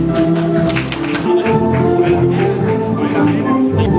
สวัสดีครับ